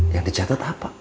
yang dicatet apa